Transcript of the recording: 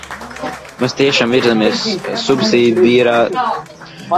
Mēs tiešām virzāmies subsidiaritātes un proporcionalitātes principu virzienā.